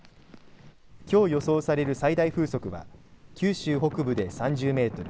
きょう予想される最大風速は九州北部で３０メートル